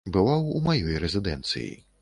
Бываў у маёй рэзідэнцыі.